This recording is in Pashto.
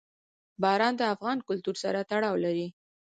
باران د افغان کلتور سره تړاو لري.